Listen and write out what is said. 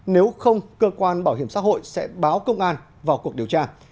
nếu không cơ quan bảo hiểm xã hội sẽ báo công an vào cuộc điều tra